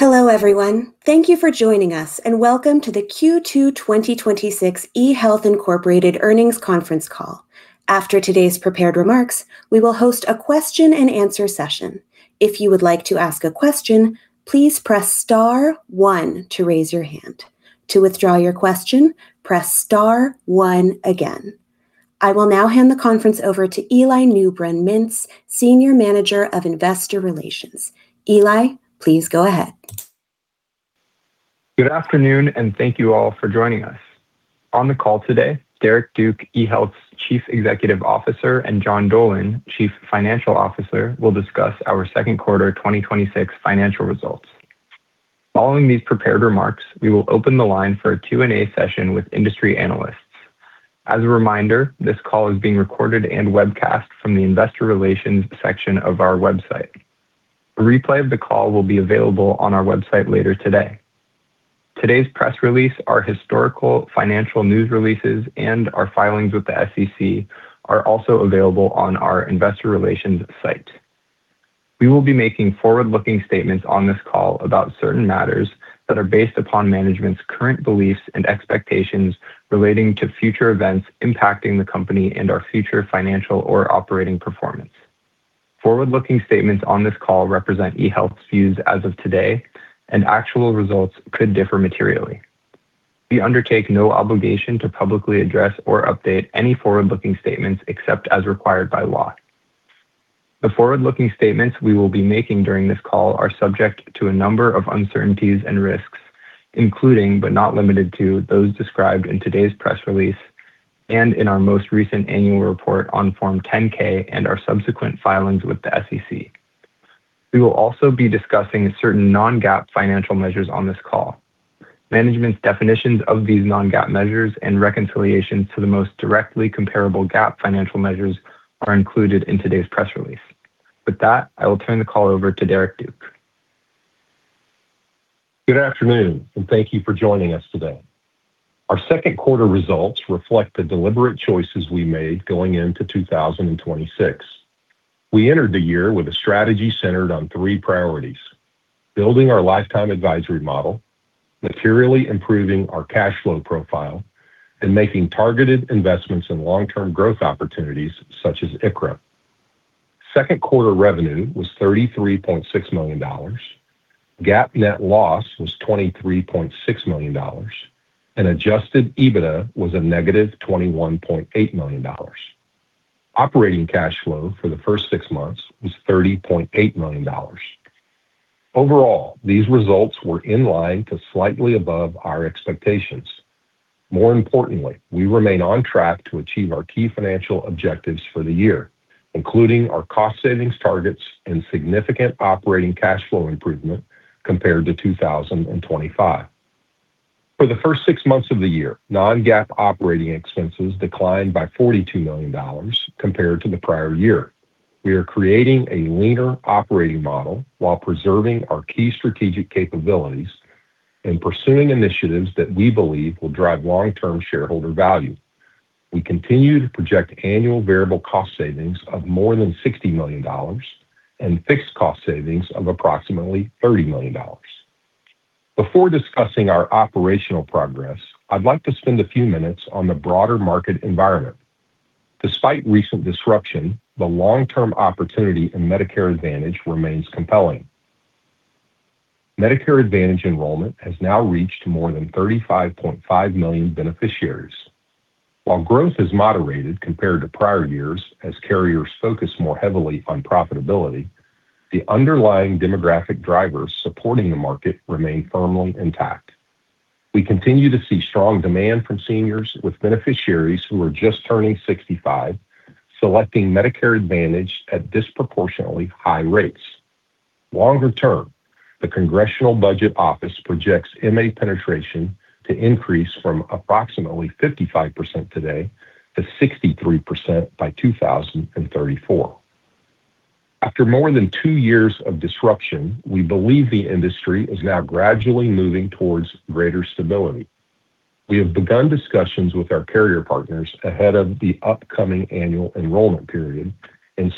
Hello, everyone. Thank you for joining us, and welcome to the Q2 2026 eHealth, Inc. earnings conference call. After today's prepared remarks, we will host a question-and-answer session. If you would like to ask a question, please press star one to raise your hand. To withdraw your question, press star one again. I will now hand the conference over to Eli Newbrun-Mintz, Senior Manager of Investor Relations. Eli, please go ahead. Good afternoon. Thank you all for joining us. On the call today, Derrick Duke, eHealth's Chief Executive Officer, and John Dolan, Chief Financial Officer, will discuss our second quarter 2026 financial results. Following these prepared remarks, we will open the line for a Q&A session with industry analysts. As a reminder, this call is being recorded and webcast from the investor relations section of our website. A replay of the call will be available on our website later today. Today's press release, our historical financial news releases, and our filings with the SEC are also available on our investor relations site. We will be making forward-looking statements on this call about certain matters that are based upon management's current beliefs and expectations relating to future events impacting the company and our future financial or operating performance. Forward-looking statements on this call represent eHealth's views as of today. Actual results could differ materially. We undertake no obligation to publicly address or update any forward-looking statements except as required by law. The forward-looking statements we will be making during this call are subject to a number of uncertainties and risks, including, but not limited to, those described in today's press release and in our most recent annual report on Form 10-K and our subsequent filings with the SEC. We will also be discussing certain non-GAAP financial measures on this call. Management's definitions of these non-GAAP measures and reconciliation to the most directly comparable GAAP financial measures are included in today's press release. With that, I will turn the call over to Derrick Duke. Good afternoon. Thank you for joining us today. Our second quarter results reflect the deliberate choices we made going into 2026. We entered the year with a strategy centered on three priorities: building our lifetime advisory model, materially improving our cash flow profile, and making targeted investments in long-term growth opportunities such as ICHRA. Second quarter revenue was $33.6 million. GAAP net loss was $23.6 million. Adjusted EBITDA was a -$21.8 million. Operating cash flow for the first six months was $30.8 million. Overall, these results were in line to slightly above our expectations. More importantly, we remain on track to achieve our key financial objectives for the year, including our cost savings targets and significant operating cash flow improvement compared to 2025. For the first six months of the year, non-GAAP operating expenses declined by $42 million compared to the prior year. We are creating a leaner operating model while preserving our key strategic capabilities and pursuing initiatives that we believe will drive long-term shareholder value. We continue to project annual variable cost savings of more than $60 million and fixed cost savings of approximately $30 million. Before discussing our operational progress, I'd like to spend a few minutes on the broader market environment. Despite recent disruption, the long-term opportunity in Medicare Advantage remains compelling. Medicare Advantage enrollment has now reached more than 35.5 million beneficiaries. While growth has moderated compared to prior years as carriers focus more heavily on profitability, the underlying demographic drivers supporting the market remain firmly intact. We continue to see strong demand from seniors with beneficiaries who are just turning 65, selecting Medicare Advantage at disproportionately high rates. Longer term, the Congressional Budget Office projects MA penetration to increase from approximately 55% today to 63% by 2034. After more than two years of disruption, we believe the industry is now gradually moving towards greater stability. We have begun discussions with our carrier partners ahead of the upcoming annual enrollment period.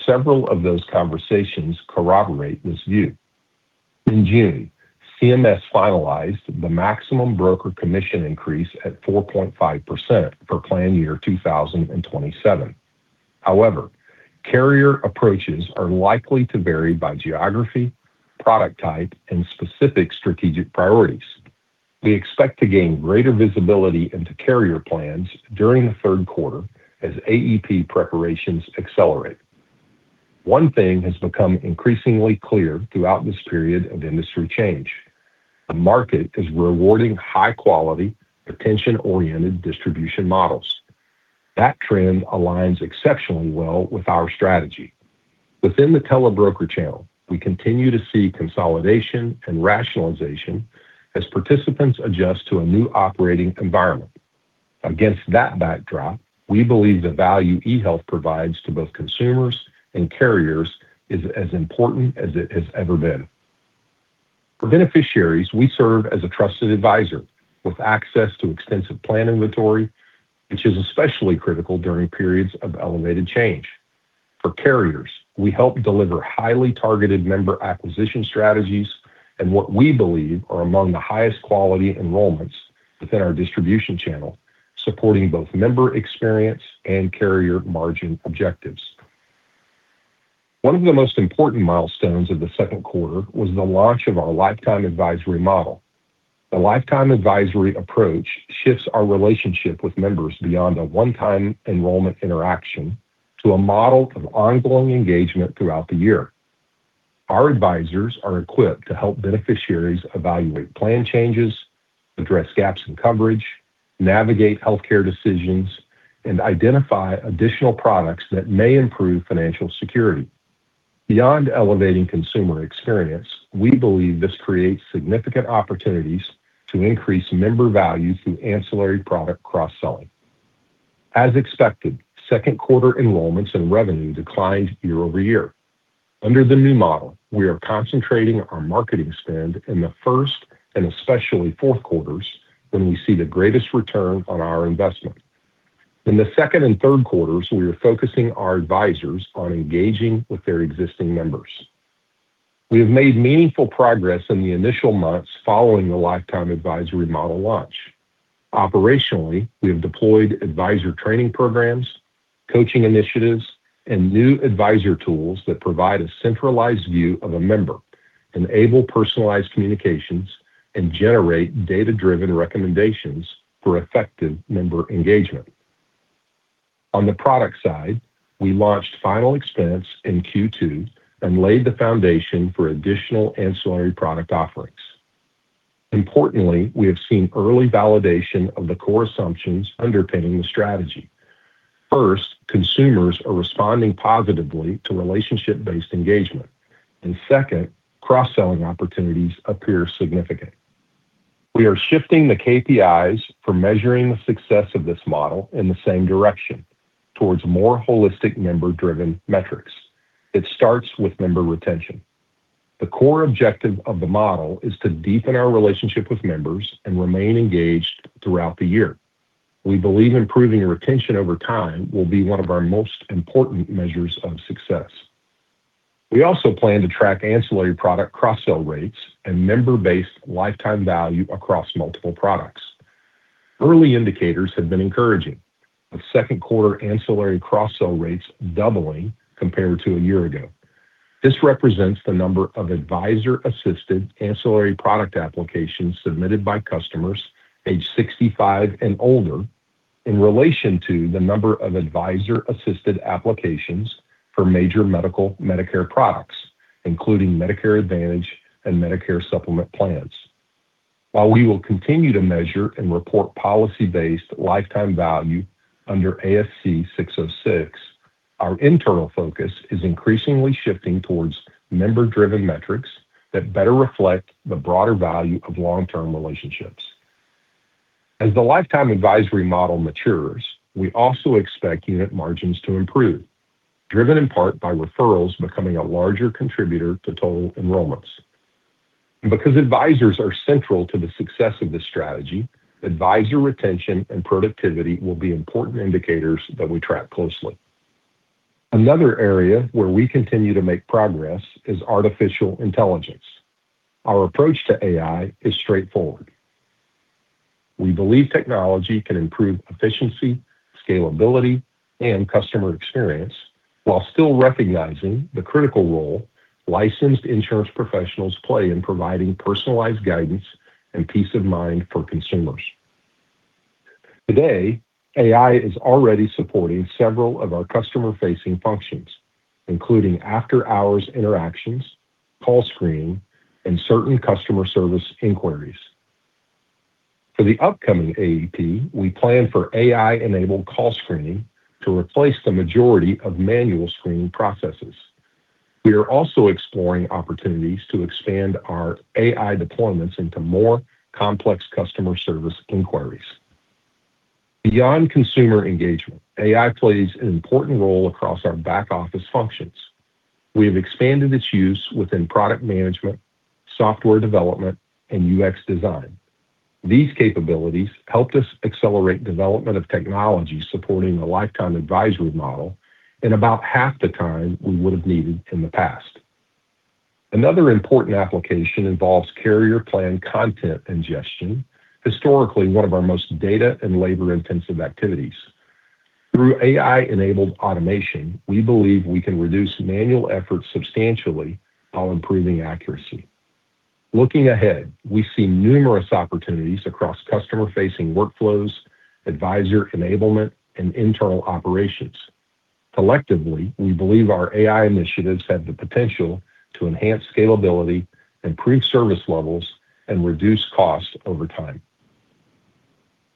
Several of those conversations corroborate this view. In June, CMS finalized the maximum broker commission increase at 4.5% for plan year 2027. However, carrier approaches are likely to vary by geography, product type, and specific strategic priorities. We expect to gain greater visibility into carrier plans during the third quarter as AEP preparations accelerate. One thing has become increasingly clear throughout this period of industry change. The market is rewarding high quality, retention-oriented distribution models. That trend aligns exceptionally well with our strategy. Within the tele broker channel, we continue to see consolidation and rationalization as participants adjust to a new operating environment. Against that backdrop, we believe the value eHealth provides to both consumers and carriers is as important as it has ever been. For beneficiaries, we serve as a trusted advisor with access to extensive plan inventory, which is especially critical during periods of elevated change. For carriers, we help deliver highly targeted member acquisition strategies and what we believe are among the highest quality enrollments within our distribution channel, supporting both member experience and carrier margin objectives. One of the most important milestones of the second quarter was the launch of our lifetime advisory model. The lifetime advisory approach shifts our relationship with members beyond a one-time enrollment interaction to a model of ongoing engagement throughout the year. Our advisors are equipped to help beneficiaries evaluate plan changes, address gaps in coverage, navigate healthcare decisions, and identify additional products that may improve financial security. Beyond elevating consumer experience, we believe this creates significant opportunities to increase member value through ancillary product cross-selling. As expected, second quarter enrollments and revenue declined year-over-year. Under the new model, we are concentrating our marketing spend in the first and especially fourth quarters when we see the greatest return on our investment. In the second and third quarters, we are focusing our advisors on engaging with their existing members. We have made meaningful progress in the initial months following the lifetime advisory model launch. Operationally, we have deployed advisor training programs, coaching initiatives, and new advisor tools that provide a centralized view of a member, enable personalized communications, and generate data-driven recommendations for effective member engagement. On the product side, we launched final expense in Q2 and laid the foundation for additional ancillary product offerings. Importantly, we have seen early validation of the core assumptions underpinning the strategy. First, consumers are responding positively to relationship-based engagement. Second, cross-selling opportunities appear significant. We are shifting the KPIs for measuring the success of this model in the same direction towards more holistic member-driven metrics. It starts with member retention. The core objective of the model is to deepen our relationship with members and remain engaged throughout the year. We believe improving retention over time will be one of our most important measures of success. We also plan to track ancillary product cross-sell rates and member-based lifetime value across multiple products. Early indicators have been encouraging, with second-quarter ancillary cross-sell rates doubling compared to a year ago. This represents the number of advisor-assisted ancillary product applications submitted by customers aged 65 and older in relation to the number of advisor-assisted applications for major medical Medicare products, including Medicare Advantage and Medicare Supplement plans. While we will continue to measure and report policy-based lifetime value under ASC 606, our internal focus is increasingly shifting towards member-driven metrics that better reflect the broader value of long-term relationships. As the lifetime advisory model matures, we also expect unit margins to improve, driven in part by referrals becoming a larger contributor to total enrollments. Because advisors are central to the success of this strategy, advisor retention and productivity will be important indicators that we track closely. Another area where we continue to make progress is artificial intelligence. Our approach to AI is straightforward. We believe technology can improve efficiency, scalability, and customer experience while still recognizing the critical role licensed insurance professionals play in providing personalized guidance and peace of mind for consumers. Today, AI is already supporting several of our customer-facing functions, including after-hours interactions, call screening, and certain customer service inquiries. For the upcoming AEP, we plan for AI-enabled call screening to replace the majority of manual screening processes. We are also exploring opportunities to expand our AI deployments into more complex customer service inquiries. Beyond consumer engagement, AI plays an important role across our back-office functions. We have expanded its use within product management, software development, and UX design. These capabilities helped us accelerate development of technology supporting the lifetime advisory model in about half the time we would have needed in the past. Another important application involves carrier plan content ingestion, historically one of our most data and labor-intensive activities. Through AI-enabled automation, we believe we can reduce manual effort substantially while improving accuracy. Looking ahead, we see numerous opportunities across customer-facing workflows, advisor enablement, and internal operations. Collectively, we believe our AI initiatives have the potential to enhance scalability, improve service levels, and reduce costs over time.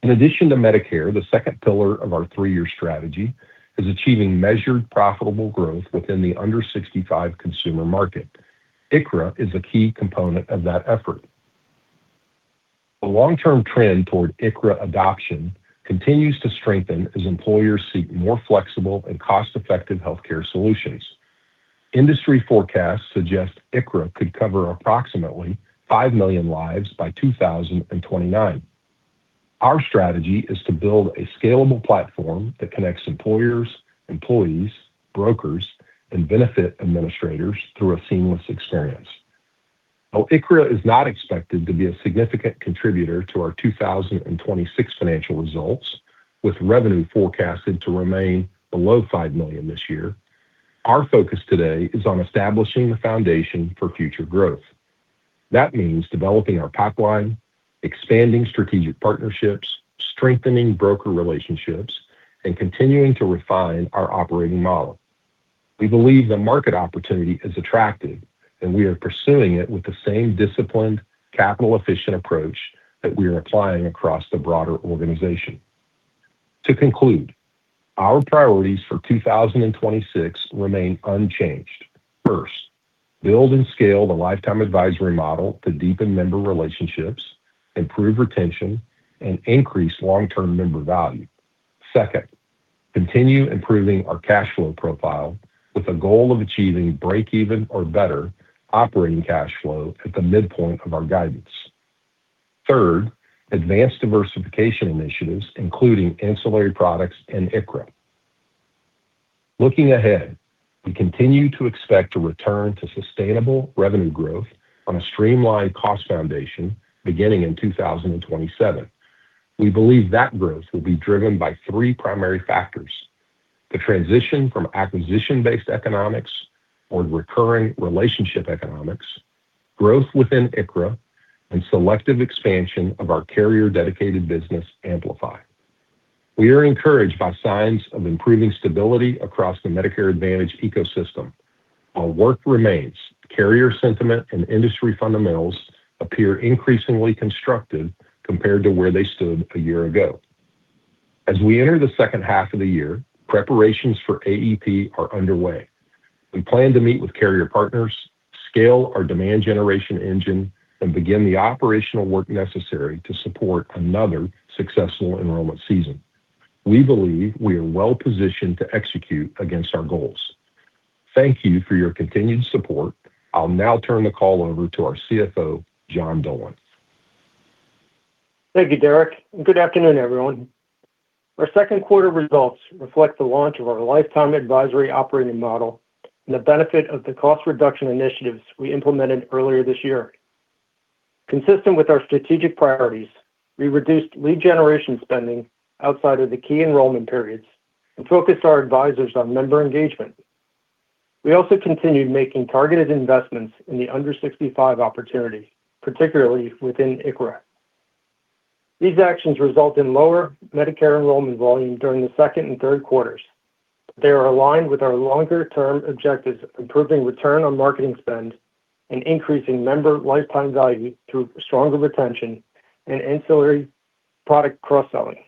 In addition to Medicare, the second pillar of our three-year strategy is achieving measured, profitable growth within the under 65 consumer market. ICHRA is a key component of that effort. The long-term trend toward ICHRA adoption continues to strengthen as employers seek more flexible and cost-effective healthcare solutions. Industry forecasts suggest ICHRA could cover approximately five million lives by 2029. Our strategy is to build a scalable platform that connects employers, employees, brokers, and benefit administrators through a seamless experience. While ICHRA is not expected to be a significant contributor to our 2026 financial results, with revenue forecasted to remain below $5 million this year, our focus today is on establishing the foundation for future growth. That means developing our pipeline, expanding strategic partnerships, strengthening broker relationships, and continuing to refine our operating model. We believe the market opportunity is attractive, and we are pursuing it with the same disciplined, capital-efficient approach that we are applying across the broader organization. To conclude, our priorities for 2026 remain unchanged. First, build and scale the lifetime advisory model to deepen member relationships, improve retention, and increase long-term member value. Second, continue improving our cash flow profile with a goal of achieving break even or better operating cash flow at the midpoint of our guidance. Third, advance diversification initiatives, including ancillary products and ICHRA. Looking ahead, we continue to expect a return to sustainable revenue growth on a streamlined cost foundation beginning in 2027. We believe that growth will be driven by three primary factors. The transition from acquisition-based economics or recurring relationship economics, growth within ICHRA, and selective expansion of our carrier-dedicated business Amplify. We are encouraged by signs of improving stability across the Medicare Advantage ecosystem. While work remains, carrier sentiment and industry fundamentals appear increasingly constructive compared to where they stood a year ago. As we enter the second half of the year, preparations for AEP are underway. We plan to meet with carrier partners, scale our demand generation engine, and begin the operational work necessary to support another successful enrollment season. We believe we are well-positioned to execute against our goals. Thank you for your continued support. I'll now turn the call over to our CFO, John Dolan. Thank you, Derrick, good afternoon, everyone. Our second quarter results reflect the launch of our lifetime advisory operating model and the benefit of the cost reduction initiatives we implemented earlier this year. Consistent with our strategic priorities, we reduced lead generation spending outside of the key enrollment periods and focused our advisors on member engagement. We also continued making targeted investments in the under 65 opportunity, particularly within ICHRA. These actions result in lower Medicare enrollment volume during the second and third quarters. They are aligned with our longer-term objectives of improving return on marketing spend and increasing member lifetime value through stronger retention and ancillary product cross-selling.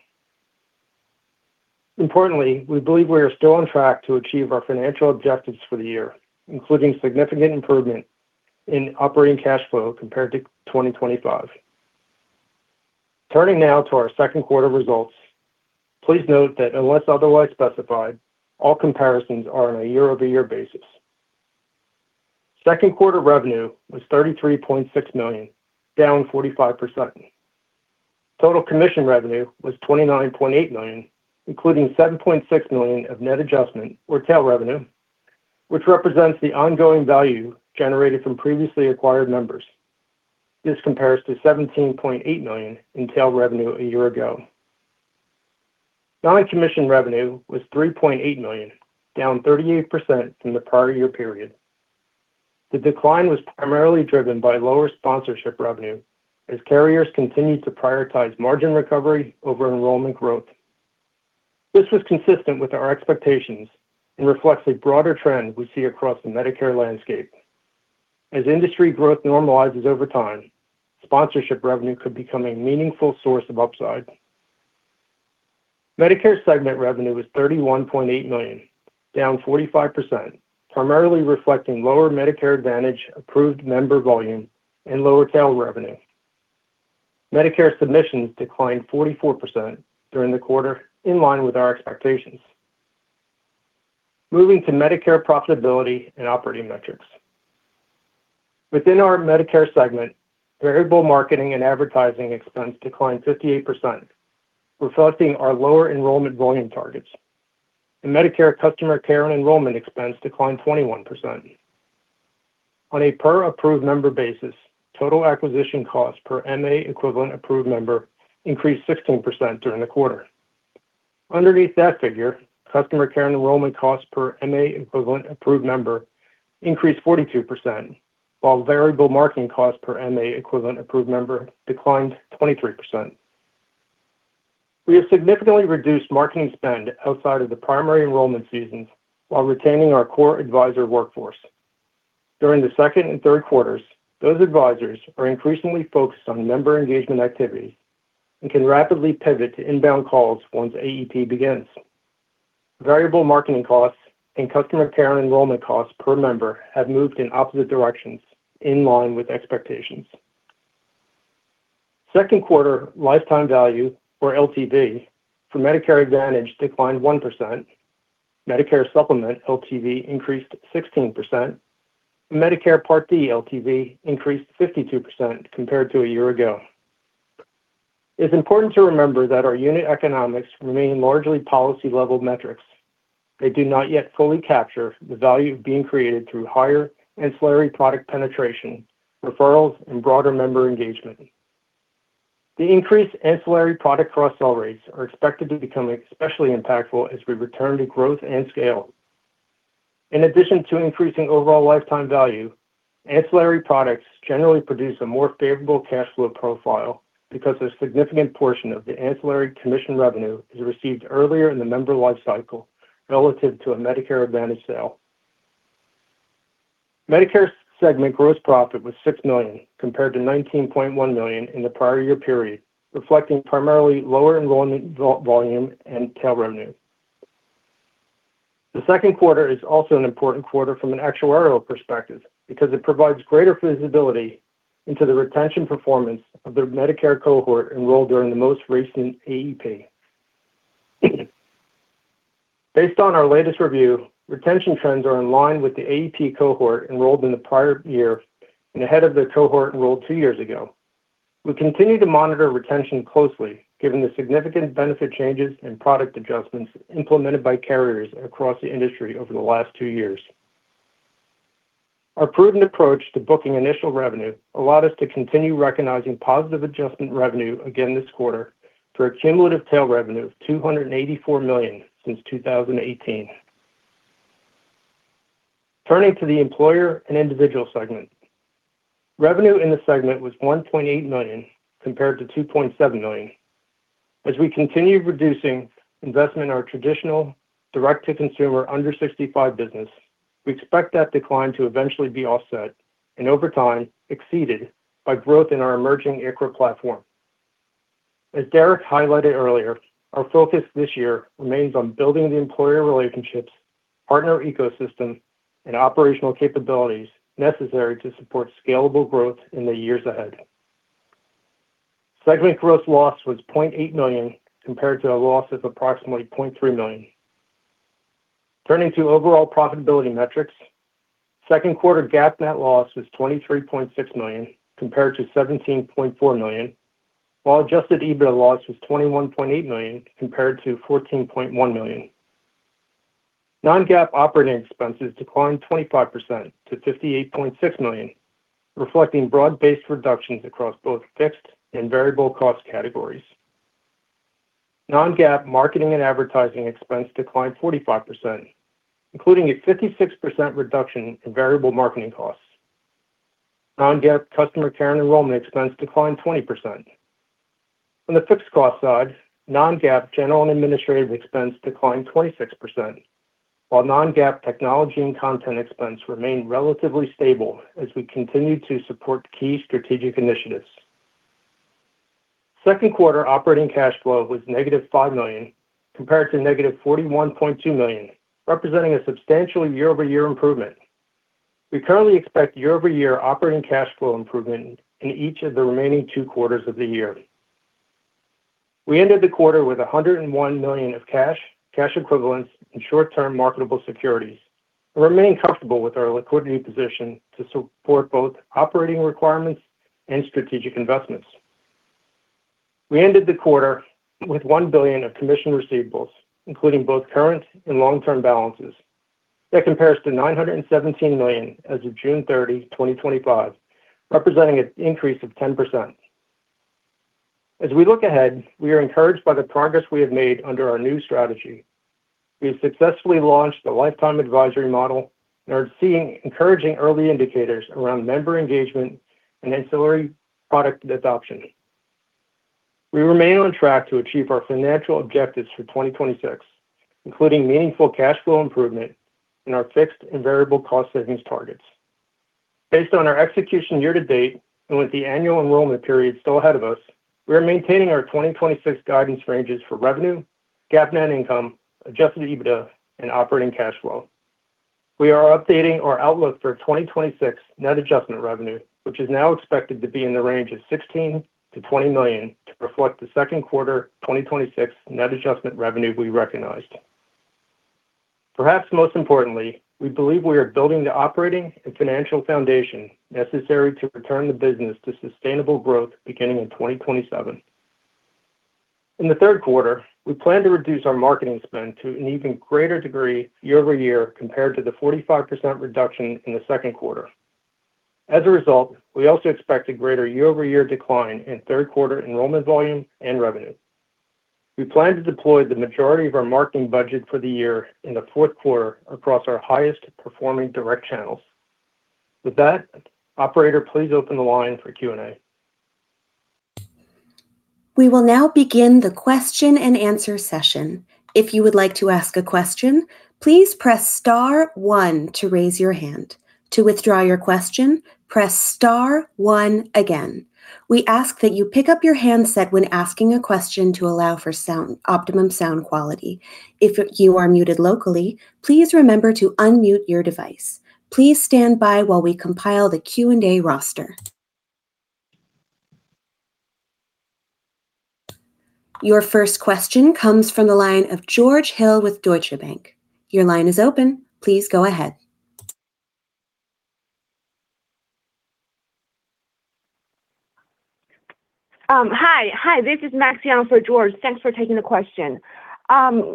Importantly, we believe we are still on track to achieve our financial objectives for the year, including significant improvement in operating cash flow compared to 2025. Turning now to our second quarter results, please note that unless otherwise specified, all comparisons are on a year-over-year basis. Second quarter revenue was $33.6 million, down 45%. Total commission revenue was $29.8 million, including $7.6 million of net adjustment or tail revenue, which represents the ongoing value generated from previously acquired members. This compares to $17.8 million in tail revenue a year ago. Non-commission revenue was $3.8 million, down 38% from the prior year period. The decline was primarily driven by lower sponsorship revenue as carriers continued to prioritize margin recovery over enrollment growth. This was consistent with our expectations and reflects a broader trend we see across the Medicare landscape. As industry growth normalizes over time, sponsorship revenue could become a meaningful source of upside. Medicare segment revenue was $31.8 million, down 45%, primarily reflecting lower Medicare Advantage approved member volume and lower tail revenue. Medicare submissions declined 44% during the quarter, in line with our expectations. Moving to Medicare profitability and operating metrics. Within our Medicare segment, variable marketing and advertising expense declined 58%, reflecting our lower enrollment volume targets. The Medicare customer care and enrollment expense declined 21%. On a per approved member basis, total acquisition cost per MA equivalent approved member increased 16% during the quarter. Underneath that figure, customer care and enrollment cost per MA equivalent approved member increased 42%, while variable marketing cost per MA equivalent approved member declined 23%. We have significantly reduced marketing spend outside of the primary enrollment seasons while retaining our core advisor workforce. During the second and third quarters, those advisors are increasingly focused on member engagement activities and can rapidly pivot to inbound calls once AEP begins. Variable marketing costs and customer care and enrollment costs per member have moved in opposite directions, in line with expectations. Second quarter lifetime value, or LTV, for Medicare Advantage declined 1%. Medicare Supplement LTV increased 16%, and Medicare Part D LTV increased 52% compared to a year ago. It's important to remember that our unit economics remain largely policy-level metrics. They do not yet fully capture the value being created through higher ancillary product penetration, referrals, and broader member engagement. The increased ancillary product cross-sell rates are expected to become especially impactful as we return to growth and scale. In addition to increasing overall lifetime value, ancillary products generally produce a more favorable cash flow profile because a significant portion of the ancillary commission revenue is received earlier in the member life cycle relative to a Medicare Advantage sale. Medicare segment gross profit was $6 million, compared to $19.1 million in the prior year period, reflecting primarily lower enrollment volume and tail revenue. The second quarter is also an important quarter from an actuarial perspective because it provides greater visibility into the retention performance of their Medicare cohort enrolled during the most recent AEP. Based on our latest review, retention trends are in line with the AEP cohort enrolled in the prior year and ahead of the cohort enrolled two years ago. We continue to monitor retention closely, given the significant benefit changes and product adjustments implemented by carriers across the industry over the last two years. Our prudent approach to booking initial revenue allowed us to continue recognizing positive adjustment revenue again this quarter for a cumulative tail revenue of $284 million since 2018. Turning to the employer and individual segment. Revenue in this segment was $1.8 million, compared to $2.7 million. As we continue reducing investment in our traditional direct-to-consumer under 65 business, we expect that decline to eventually be offset and over time exceeded by growth in our emerging ICHRA platform. As Derrick highlighted earlier, our focus this year remains on building the employer relationships, partner ecosystem, and operational capabilities necessary to support scalable growth in the years ahead. Segment gross loss was $0.8 million, compared to a loss of approximately $0.3 million. Turning to overall profitability metrics. Second quarter GAAP net loss was $23.6 million, compared to $17.4 million, while adjusted EBITDA loss was $21.8 million compared to $14.1 million. Non-GAAP operating expenses declined 25% to $58.6 million, reflecting broad-based reductions across both fixed and variable cost categories. Non-GAAP marketing and advertising expense declined 45%, including a 56% reduction in variable marketing costs. Non-GAAP customer care and enrollment expense declined 20%. On the fixed cost side, non-GAAP general and administrative expense declined 26%, while non-GAAP technology and content expense remained relatively stable as we continued to support key strategic initiatives. Second quarter operating cash flow was -$5 million, compared to -$41.2 million, representing a substantial year-over-year improvement. We currently expect year-over-year operating cash flow improvement in each of the remaining two quarters of the year. We ended the quarter with $101 million of cash equivalents, and short-term marketable securities and remain comfortable with our liquidity position to support both operating requirements and strategic investments. We ended the quarter with $1 billion of commission receivables, including both current and long-term balances. That compares to $917 million as of June 30, 2025, representing an increase of 10%. As we look ahead, we are encouraged by the progress we have made under our new strategy. We have successfully launched the lifetime advisory model and are seeing encouraging early indicators around member engagement and ancillary product adoption. We remain on track to achieve our financial objectives for 2026, including meaningful cash flow improvement and our fixed and variable cost savings targets. Based on our execution year-to-date, and with the annual enrollment period still ahead of us, we are maintaining our 2026 guidance ranges for revenue, GAAP net income, adjusted EBITDA, and operating cash flow. We are updating our outlook for 2026 net adjustment revenue, which is now expected to be in the range of $16 million-$20 million to reflect the second quarter 2026 net adjustment revenue we recognized. Perhaps most importantly, we believe we are building the operating and financial foundation necessary to return the business to sustainable growth beginning in 2027. In the third quarter, we plan to reduce our marketing spend to an even greater degree year-over-year compared to the 45% reduction in the second quarter. As a result, we also expect a greater year-over-year decline in third quarter enrollment volume and revenue. We plan to deploy the majority of our marketing budget for the year in the fourth quarter across our highest performing direct channels. With that, operator, please open the line for Q&A. We will now begin the question-and-answer session. If you would like to ask a question, please press star one to raise your hand. To withdraw your question, press star one again. We ask that you pick up your handset when asking a question to allow for optimum sound quality. If you are muted locally, please remember to unmute your device. Please stand by while we compile the Q&A roster. Your first question comes from the line of George Hill with Deutsche Bank. Your line is open. Please go ahead. Hi. This is Maxi on for George. Thanks for taking the question.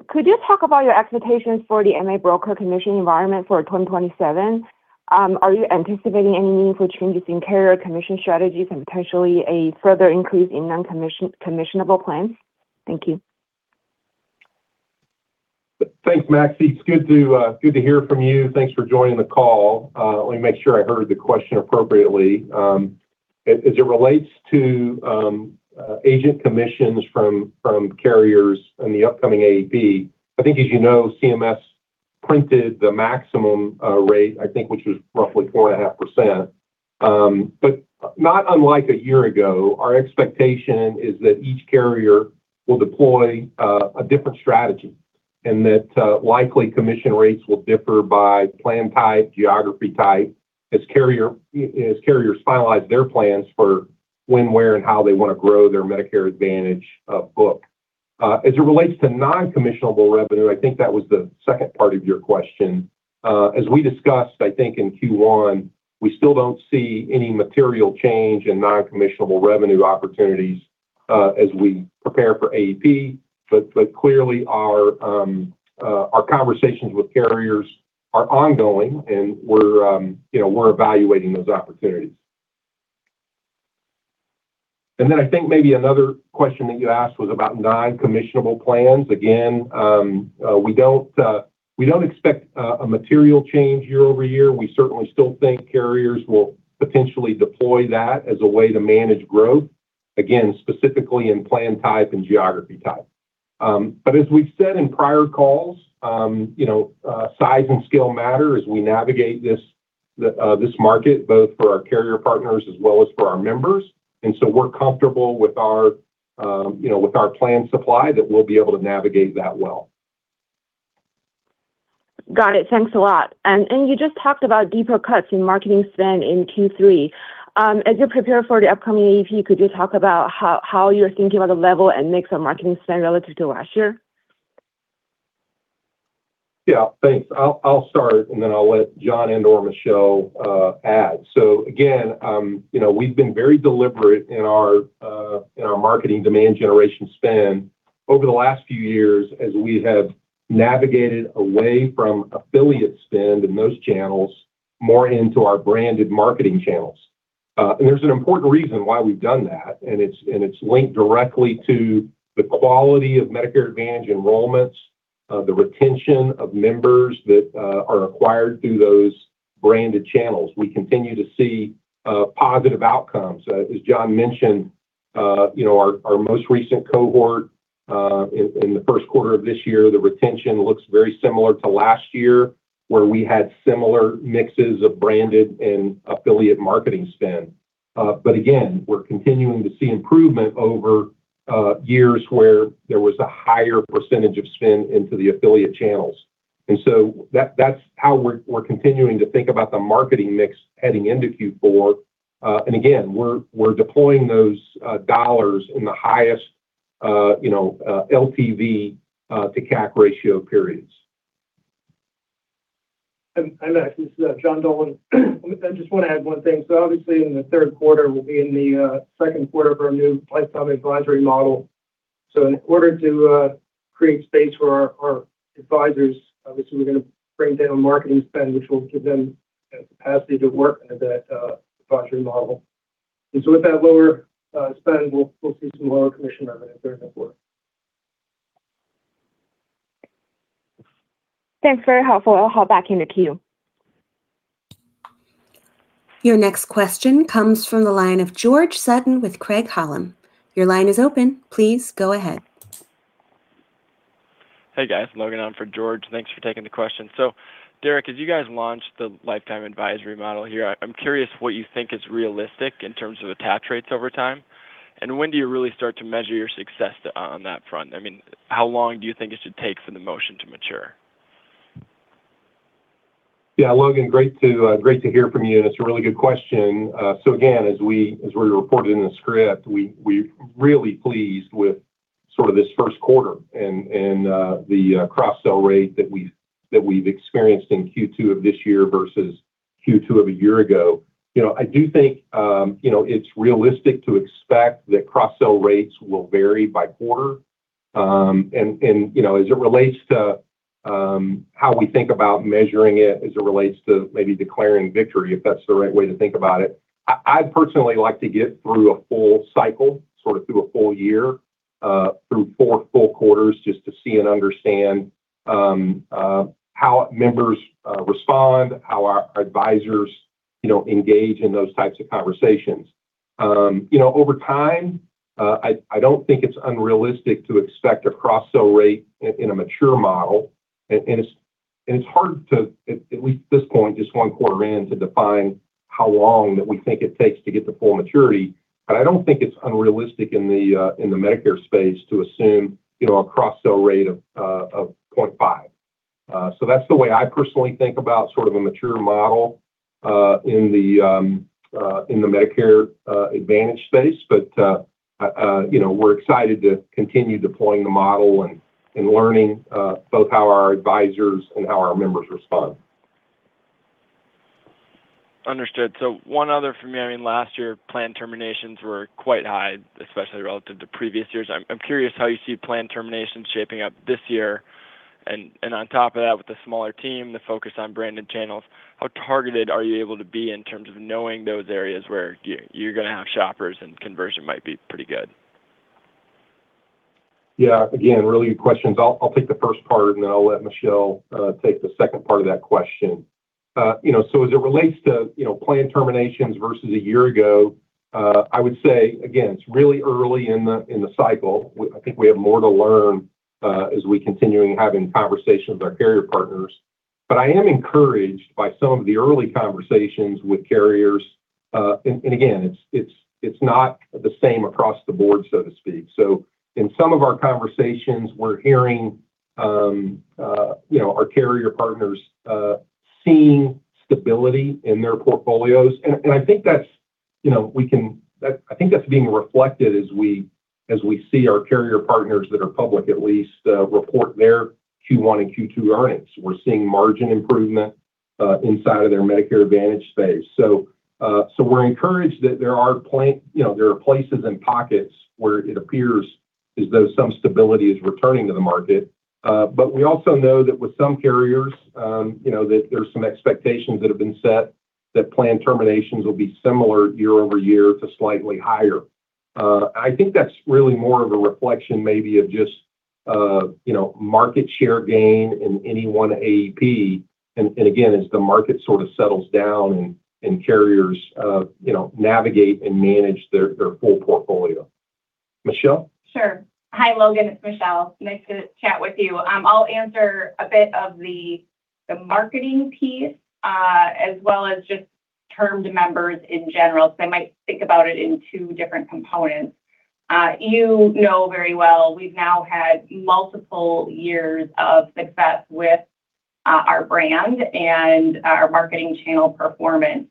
Could you talk about your expectations for the MA broker commission environment for 2027? Are you anticipating any meaningful changes in carrier commission strategies and potentially a further increase in non-commissionable plans? Thank you. Thanks, Maxi. It's good to hear from you. Thanks for joining the call. Let me make sure I heard the question appropriately. As it relates to agent commissions from carriers in the upcoming AEP, as you know, CMS printed the maximum rate, which was roughly 4.5%. Not unlike a year ago, our expectation is that each carrier will deploy a different strategy, and that likely commission rates will differ by plan type, geography type, as carriers finalize their plans for when, where, and how they want to grow their Medicare Advantage book. As it relates to non-commissionable revenue, that was the second part of your question. As we discussed, I think in Q1, we still don't see any material change in non-commissionable revenue opportunities as we prepare for AEP. Clearly our conversations with carriers are ongoing and we're evaluating those opportunities. I think maybe another question that you asked was about non-commissionable plans. Again, we don't expect a material change year-over-year. We certainly still think carriers will potentially deploy that as a way to manage growth, again, specifically in plan type and geography type. As we've said in prior calls, size and scale matter as we navigate this market, both for our carrier partners as well as for our members. We're comfortable with our plan supply that we'll be able to navigate that well. Got it. Thanks a lot. You just talked about deeper cuts in marketing spend in Q3. As you prepare for the upcoming AEP, could you talk about how you're thinking about the level and mix of marketing spend relative to last year? Yeah. Thanks. I'll start, and then I'll let John and or Michelle add. Again, we've been very deliberate in our marketing demand generation spend over the last few years as we have navigated away from affiliate spend in those channels, more into our branded marketing channels. There's an important reason why we've done that, and it's linked directly to the quality of Medicare Advantage enrollments, the retention of members that are acquired through those branded channels. We continue to see positive outcomes. As John mentioned, our most recent cohort, in the first quarter of this year, the retention looks very similar to last year where we had similar mixes of branded and affiliate marketing spend. Again, we're continuing to see improvement over years where there was a higher percentage of spend into the affiliate channels. That's how we're continuing to think about the marketing mix heading into Q4. Again, we're deploying those dollars in the highest LTV to CAC ratio periods. Hi, Maxi. This is John Dolan. I just want to add one thing. Obviously in the third quarter, we'll be in the second quarter of our new lifetime advisory model. In order to create space for our advisors, obviously we're going to bring down marketing spend, which will give them the capacity to work under that advisory model. With that lower spend, we'll see some lower commission revenue in third and fourth. Thanks. Very helpful. I'll hop back in the queue. Your next question comes from the line of George Sutton with Craig-Hallum. Your line is open. Please go ahead. Hey, guys. Logan on for George. Thanks for taking the question. Derrick, as you guys launched the lifetime advisory model here, I'm curious what you think is realistic in terms of attach rates over time, and when do you really start to measure your success on that front? I mean, how long do you think it should take for the motion to mature? Yeah. Logan, great to hear from you, and it's a really good question. Again, as we reported in the script, we're really pleased with sort of this first quarter and the cross-sell rate that we've experienced in Q2 of this year versus Q2 of a year ago. I do think it's realistic to expect that cross-sell rates will vary by quarter. As it relates to how we think about measuring it as it relates to maybe declaring victory, if that's the right way to think about it, I'd personally like to get through a full cycle, sort of through a full year, sort of through four full quarters, just to see and understand how members respond, how our advisors engage in those types of conversations. Over time, I don't think it's unrealistic to expect a cross-sell rate in a mature model, and it's hard to, at least at this point, just one quarter in, to define how long that we think it takes to get to full maturity. I don't think it's unrealistic in the Medicare space to assume a cross-sell rate of 0.5 That's the way I personally think about sort of a mature model in the Medicare Advantage space. We're excited to continue deploying the model and learning both how our advisors and how our members respond. Understood. One other for me. Last year, plan terminations were quite high, especially relative to previous years. I'm curious how you see plan terminations shaping up this year, and on top of that, with the smaller team, the focus on branded channels, how targeted are you able to be in terms of knowing those areas where you're going to have shoppers and conversion might be pretty good? Again, really good questions. I'll take the first part, and then I'll let Michelle take the second part of that question. As it relates to plan terminations versus a year ago, I would say, again, it's really early in the cycle. I think we have more to learn as we continuing having conversations with our carrier partners. I am encouraged by some of the early conversations with carriers. Again, it's not the same across the board, so to speak. In some of our conversations, we're hearing our carrier partners seeing stability in their portfolios, and I think that's being reflected as we see our carrier partners that are public at least report their Q1 and Q2 earnings. We're seeing margin improvement inside of their Medicare Advantage space. We're encouraged that there are places and pockets where it appears as though some stability is returning to the market. We also know that with some carriers, that there's some expectations that have been set that plan terminations will be similar year-over-year to slightly higher. I think that's really more of a reflection maybe of just market share gain in any one AEP, again, as the market sort of settles down and carriers navigate and manage their full portfolio. Michelle? Sure. Hi, Logan, it's Michelle. Nice to chat with you. I'll answer a bit of the marketing piece, as well as just termed members in general. I might think about it in two different components. You know very well we've now had multiple years of success with our brand and our marketing channel performance,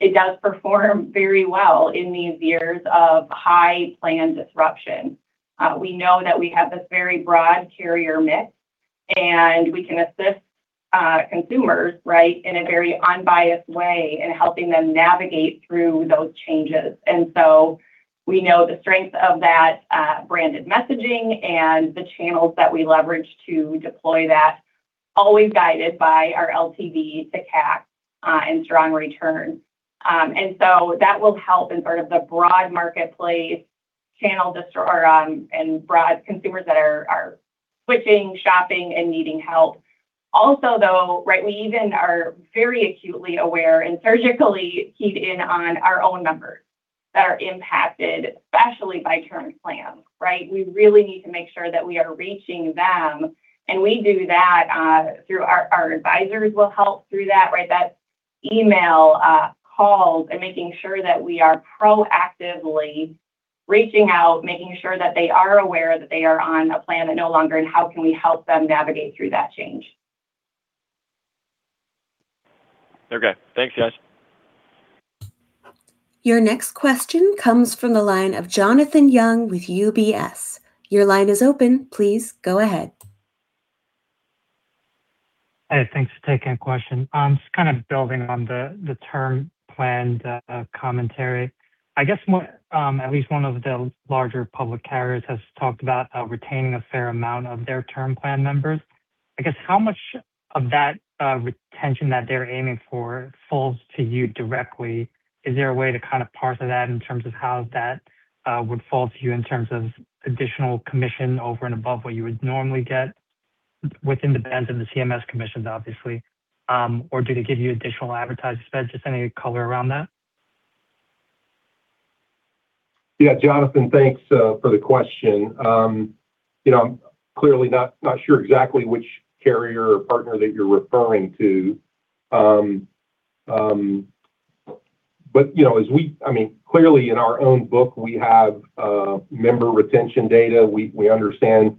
it does perform very well in these years of high plan disruption. We know that we have this very broad carrier mix, we can assist consumers, right, in a very unbiased way in helping them navigate through those changes. We know the strength of that branded messaging and the channels that we leverage to deploy that, always guided by our LTV to CAC and strong return. That will help in sort of the broad marketplace channel and broad consumers that are switching, shopping, and needing help. Though, right, we even are very acutely aware and surgically keyed in on our own members that are impacted, especially by term plans, right? We really need to make sure that we are reaching them, we do that through our advisors will help through that, right? That email, calls, making sure that we are proactively reaching out, making sure that they are aware that they are on a plan that no longer, and how can we help them navigate through that change. Okay. Thanks, guys. Your next question comes from the line of Jonathan Yong with UBS. Your line is open. Please go ahead. Hey, thanks for taking the question. Just kind of building on the term plan commentary. I guess at least one of the larger public carriers has talked about retaining a fair amount of their term plan members. I guess how much of that retention that they're aiming for falls to you directly? Is there a way to kind of parse that in terms of how that would fall to you in terms of additional commission over and above what you would normally get within the bands of the CMS commissions, obviously? Do they give you additional advertising spend? Just any color around that. Jonathan, thanks for the question. I'm clearly not sure exactly which carrier or partner that you're referring to. Clearly in our own book, we have member retention data. We understand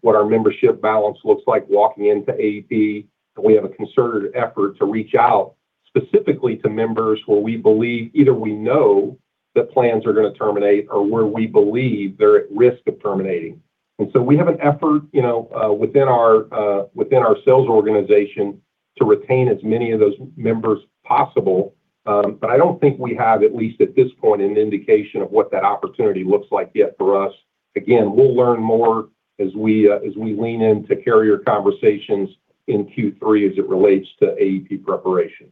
what our membership balance looks like walking into AEP, and we have a concerted effort to reach out specifically to members where we believe either we know the plans are going to terminate or where we believe they're at risk of terminating. We have an effort within our sales organization to retain as many of those members possible. I don't think we have, at least at this point, an indication of what that opportunity looks like yet for us. We'll learn more as we lean into carrier conversations in Q3 as it relates to AEP preparation.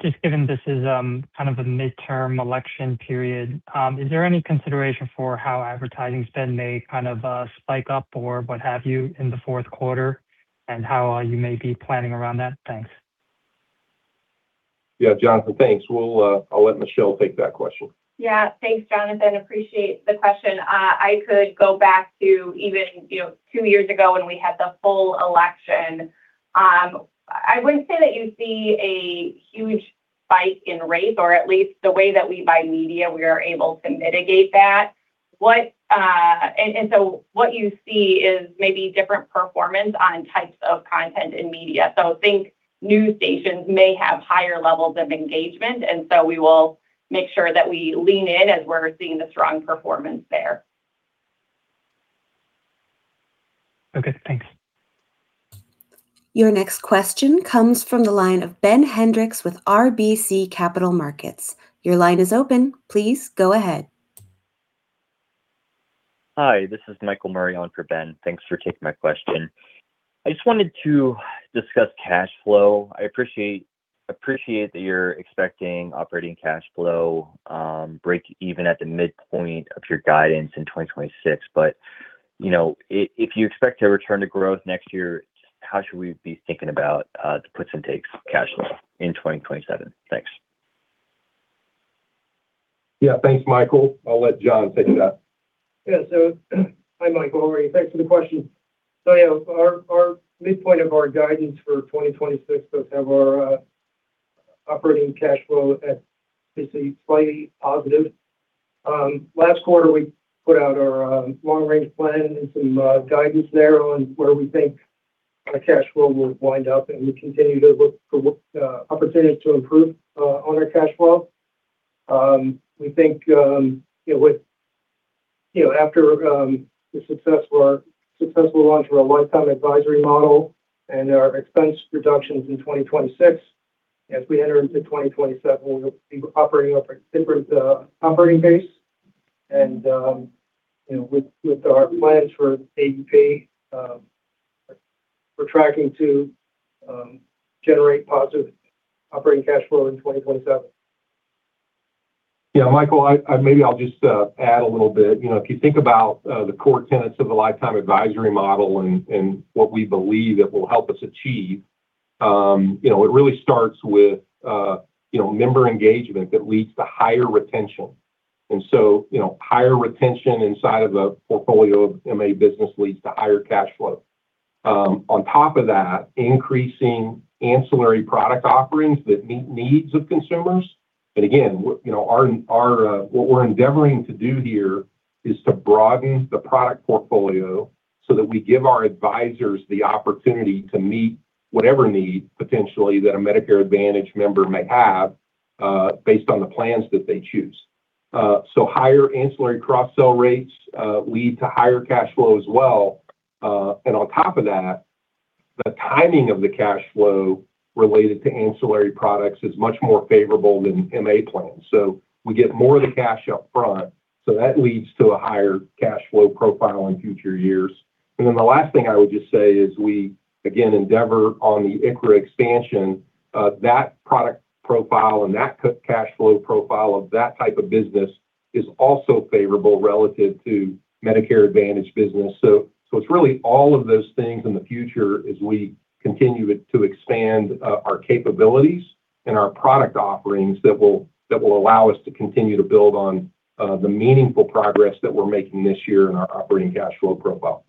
Just given this is kind of a midterm election period, is there any consideration for how advertising spend may kind of spike up or what have you in the fourth quarter, and how you may be planning around that? Thanks. Jonathan, thanks. I'll let Michelle take that question. Thanks, Jonathan. Appreciate the question. I could go back to even two years ago when we had the full election. I wouldn't say that you see a huge spike in rates, or at least the way that we buy media, we are able to mitigate that. What you see is maybe different performance on types of content in media. Think news stations may have higher levels of engagement, and we will make sure that we lean in as we're seeing the strong performance there. Okay, thanks. Your next question comes from the line of Ben Hendrix with RBC Capital Markets. Your line is open. Please go ahead. Hi, this is Michael Murray on for Ben. Thanks for taking my question. I just wanted to discuss cash flow. I appreciate that you're expecting operating cash flow breakeven at the midpoint of your guidance in 2026. If you expect to return to growth next year, how should we be thinking about the puts and takes of cash flow in 2027? Thanks. Yeah. Thanks, Michael. I'll let John take that. Hi, Michael. How are you? Thanks for the question. Our midpoint of our guidance for 2026 does have our operating cash flow at basically slightly positive. Last quarter, we put out our long-range plan and some guidance there on where we think our cash flow will wind up, and we continue to look for opportunities to improve on our cash flow. We think after the successful launch of our Lifetime Advisory model and our expense reductions in 2026, as we enter into 2027, we'll be operating off a different operating base. With our plans for AEP, we're tracking to generate positive operating cash flow in 2027. Michael, maybe I'll just add a little bit. If you think about the core tenets of the Lifetime Advisory Model and what we believe it will help us achieve, it really starts with member engagement that leads to higher retention. Higher retention inside of a portfolio of MA business leads to higher cash flow. On top of that, increasing ancillary product offerings that meet needs of consumers. Again, what we're endeavoring to do here is to broaden the product portfolio so that we give our advisors the opportunity to meet whatever need potentially that a Medicare Advantage member may have based on the plans that they choose. Higher ancillary cross-sell rates lead to higher cash flow as well. On top of that, the timing of the cash flow related to ancillary products is much more favorable than MA plans. We get more of the cash up front, that leads to a higher cash flow profile in future years. The last thing I would just say is we, again, endeavor on the ICHRA expansion. That product profile and that cash flow profile of that type of business is also favorable relative to Medicare Advantage business. It's really all of those things in the future as we continue to expand our capabilities and our product offerings that will allow us to continue to build on the meaningful progress that we're making this year in our operating cash flow profile.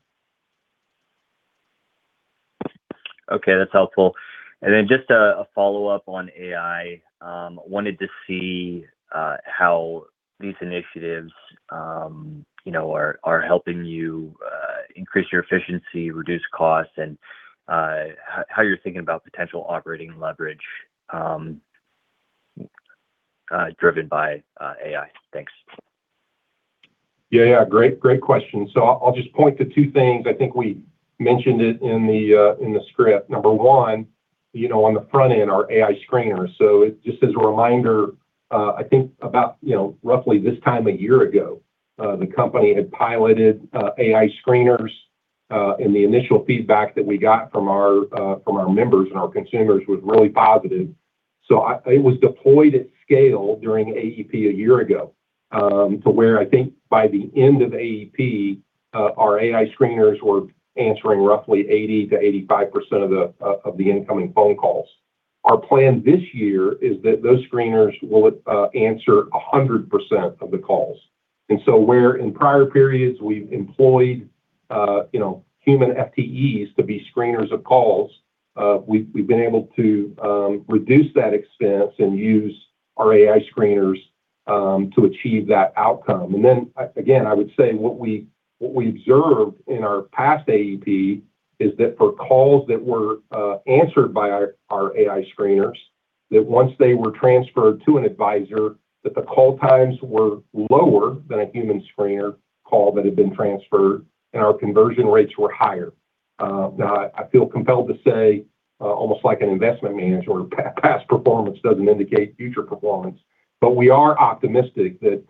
Okay, that's helpful. Just a follow-up on AI. Wanted to see how these initiatives are helping you increase your efficiency, reduce costs, and how you're thinking about potential operating leverage driven by AI. Thanks. Great question. I'll just point to two things. I think we mentioned it in the script. Number one, on the front end, our AI screener. Just as a reminder, I think about roughly this time a year ago, the company had piloted AI screeners, and the initial feedback that we got from our members and our consumers was really positive. It was deployed at scale during AEP a year ago, to where I think by the end of AEP, our AI screeners were answering roughly 80%-85% of the incoming phone calls. Our plan this year is that those screeners will answer 100% of the calls. Where in prior periods, we've employed human FTEs to be screeners of calls, we've been able to reduce that expense and use our AI screeners to achieve that outcome. Again, I would say what we observed in our past AEP is that for calls that were answered by our AI screeners, that once they were transferred to an advisor, that the call times were lower than a human screener call that had been transferred, and our conversion rates were higher. Now, I feel compelled to say, almost like an investment manager, past performance doesn't indicate future performance. We are optimistic that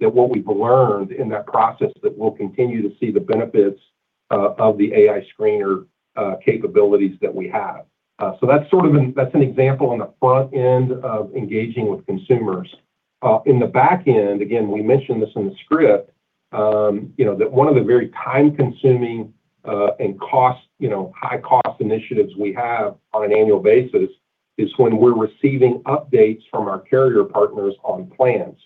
what we've learned in that process, that we'll continue to see the benefits of the AI screener capabilities that we have. That's an example on the front end of engaging with consumers. In the back end, again, we mentioned this in the script, that one of the very time-consuming and high-cost initiatives we have on an annual basis is when we're receiving updates from our carrier partners on plans.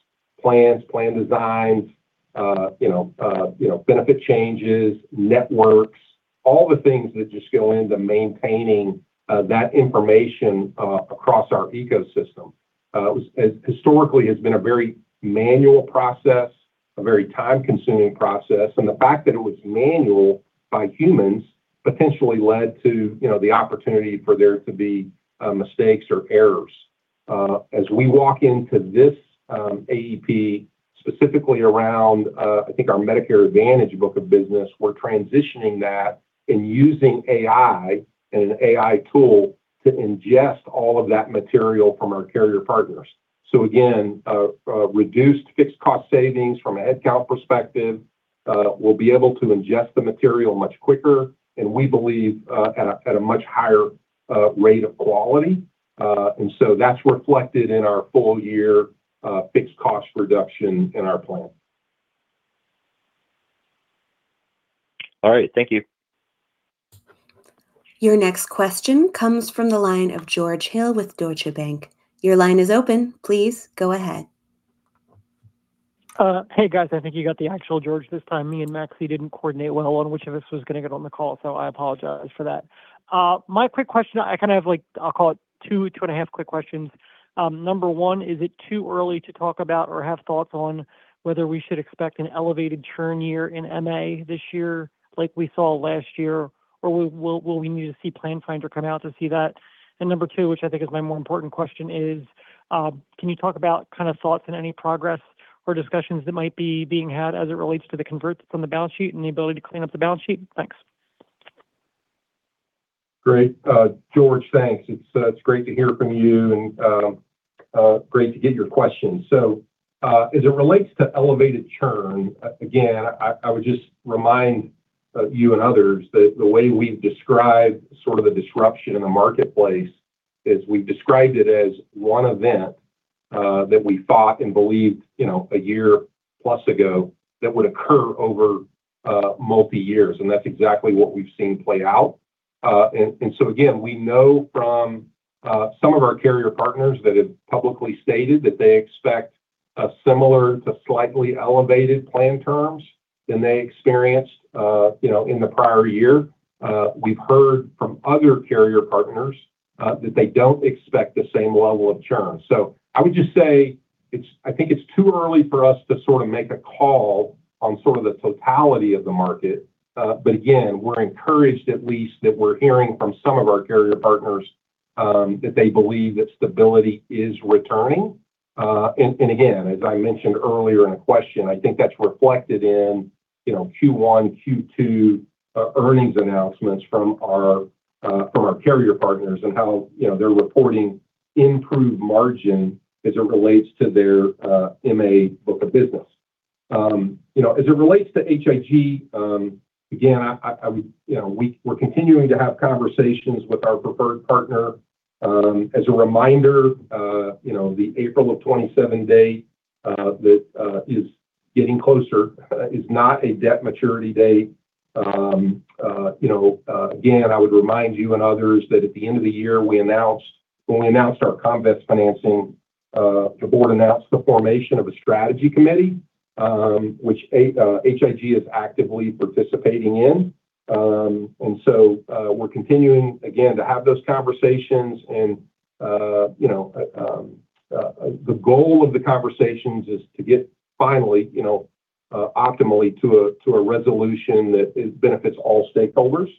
Plans, plan designs, benefit changes, networks, all the things that just go into maintaining that information across our ecosystem. It historically has been a very manual process, a very time-consuming process. The fact that it was manual by humans potentially led to the opportunity for there to be mistakes or errors. As we walk into this AEP, specifically around our Medicare Advantage book of business, we're transitioning that and using AI and an AI tool to ingest all of that material from our carrier partners. Again, reduced fixed cost savings from a headcount perspective. We'll be able to ingest the material much quicker, and we believe at a much higher rate of quality. That's reflected in our full year fixed cost reduction in our plan. All right. Thank you. Your next question comes from the line of George Hill with Deutsche Bank. Your line is open. Please go ahead. Hey, guys. I think you got the actual George this time. Me and Maxi didn't coordinate well on which of us was going to get on the call, so I apologize for that. My quick question, I kind of have two and a half quick questions. Number one, is it too early to talk about or have thoughts on whether we should expect an elevated churn year in MA this year like we saw last year, or will we need to see Plan Finder come out to see that? Number two, which I think is my more important question, is can you talk about thoughts and any progress or discussions that might be being had as it relates to the converts from the balance sheet and the ability to clean up the balance sheet? Thanks. Great. George, thanks. It's great to hear from you and great to get your questions. As it relates to elevated churn, again, I would just remind you and others that the way we've described sort of the disruption in the marketplace is we've described it as one event that we thought and believed a year plus ago that would occur over multi years, and that's exactly what we've seen play out. Again, we know from some of our carrier partners that have publicly stated that they expect a similar to slightly elevated plan terms than they experienced in the prior year. We've heard from other carrier partners that they don't expect the same level of churn. I would just say, I think it's too early for us to sort of make a call on sort of the totality of the market. Again, we're encouraged at least that we're hearing from some of our carrier partners that they believe that stability is returning. Again, as I mentioned earlier in a question, I think that's reflected in Q1, Q2 earnings announcements from our carrier partners and how they're reporting improved margin as it relates to their MA book of business. As it relates to HIG, again, we're continuing to have conversations with our preferred partner. As a reminder, the April of 2027 date that is getting closer is not a debt maturity date. Again, I would remind you and others that at the end of the year when we announced our Comvest financing, the board announced the formation of a strategy committee, which HIG is actively participating in. We're continuing, again, to have those conversations, and the goal of the conversations is to get finally, optimally to a resolution that benefits all stakeholders.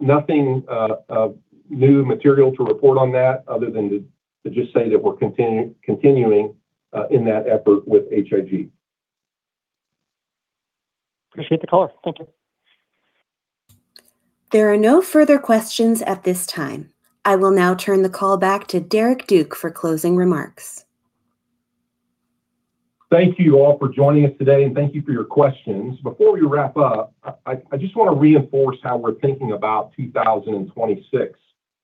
Nothing new material to report on that other than to just say that we're continuing in that effort with HIG. Appreciate the color. Thank you. There are no further questions at this time. I will now turn the call back to Derrick Duke for closing remarks. Thank you all for joining us today, and thank you for your questions. Before we wrap up, I just want to reinforce how we're thinking about 2026.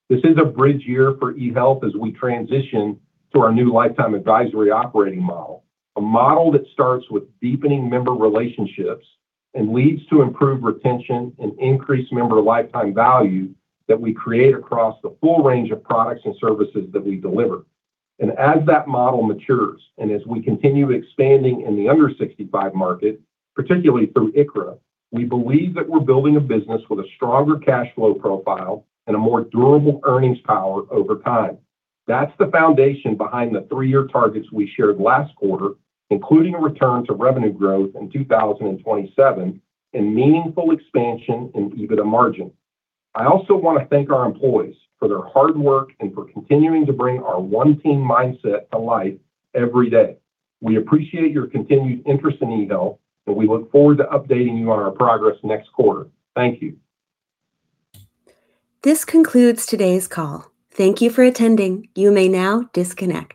This is a bridge year for eHealth as we transition to our new lifetime advisory operating model. A model that starts with deepening member relationships and leads to improved retention and increased member lifetime value that we create across the full range of products and services that we deliver. As that model matures and as we continue expanding in the under 65 market, particularly through ICHRA, we believe that we're building a business with a stronger cash flow profile and a more durable earnings power over time. That's the foundation behind the three-year targets we shared last quarter, including a return to revenue growth in 2027 and meaningful expansion in EBITDA margin. I also want to thank our employees for their hard work and for continuing to bring our one team mindset to life every day. We appreciate your continued interest in eHealth, and we look forward to updating you on our progress next quarter. Thank you. This concludes today's call. Thank you for attending. You may now disconnect.